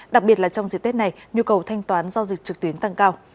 đặc biệt là trong dịp tết này nhu cầu thanh toán giao dịch trực tuyến tăng cao